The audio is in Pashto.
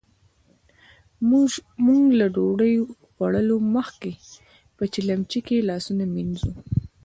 موژ له ډوډۍ خوړلو مخکې په چیلیمچې کې لاسونه مينځو.